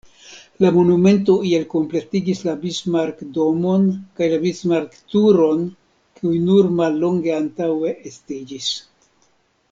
La monumento iel kompletigis la Bismarck-domon kaj la Bismarck-turon kiuj nur mallonge antaŭe estiĝis.